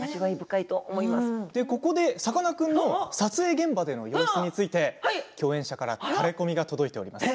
ここでさかなクンの撮影現場の様子について共演者からタレコミが届いています。